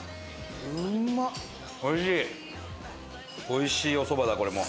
おいしいおそばだこれも。